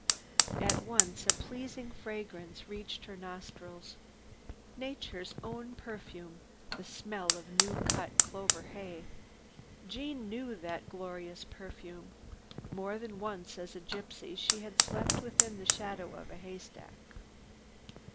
At once a pleasing fragrance reached her nostrils—Nature's own perfume, the smell of new cut clover hay. Jeanne knew that glorious perfume. More than once as a gypsy she had slept within the shadow of a haystack.